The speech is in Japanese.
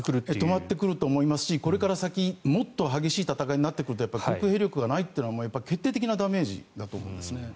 止まってくると思いますしこれから先もっと激しい戦いになってくると航空兵力がないというのは決定的なダメージだと思います。